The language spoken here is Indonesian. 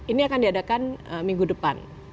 ini akan diadakan minggu depan